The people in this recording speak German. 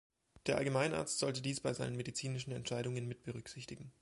Der Allgemeinarzt sollte dies bei seinen medizinischen Entscheidungen mit berücksichtigen.